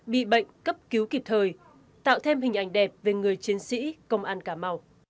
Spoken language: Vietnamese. bị bệnh cấp cứu kịp thời tạo thêm hình ảnh đẹp về người chiến sĩ công an cà mau